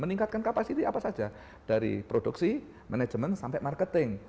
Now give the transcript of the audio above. meningkatkan kapasiti apa saja dari produksi manajemen sampai marketing